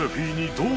どう？